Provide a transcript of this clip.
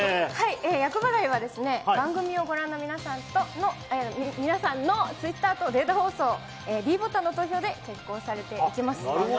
厄払いは、番組をご覧の皆さんのツイッターとデータ放送、ｄボタンの投票で決行されていきます。